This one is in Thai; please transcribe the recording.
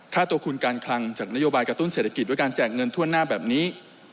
ถ้าตัวคุณการคลังจากนโยบายกระตุ้นเศรษฐกิจด้วยการแจกเงินทั่วหน้าแบบนี้